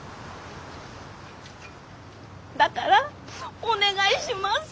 だからお願いします！